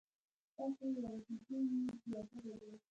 خلکو وویل چې زوی یې بې ادبه دی.